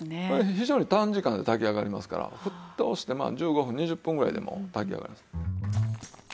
これ非常に短時間で炊き上がりますから沸騰して１５分２０分ぐらいでもう炊き上がります。